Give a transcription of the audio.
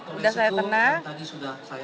sudah saya tenang